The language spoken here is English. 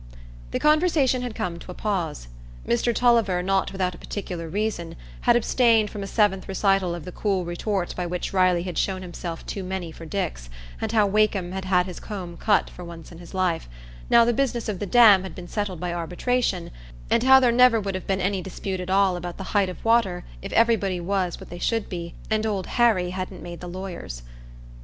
The conversation had come to a pause. Mr Tulliver, not without a particular reason, had abstained from a seventh recital of the cool retort by which Riley had shown himself too many for Dix, and how Wakem had had his comb cut for once in his life, now the business of the dam had been settled by arbitration, and how there never would have been any dispute at all about the height of water if everybody was what they should be, and Old Harry hadn't made the lawyers.